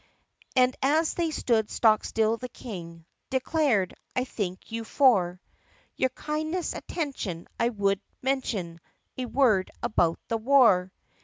And as they stood stock still the King Declared: "I thank you for Your kind attention; I would mention A word about the war.